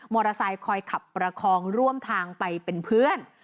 มอเตอร์ไซค์คอยขับประคองร่วมทางไปเป็นเพื่อน